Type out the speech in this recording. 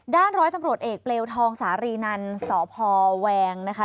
ร้อยตำรวจเอกเปลวทองสารีนันสพแวงนะคะ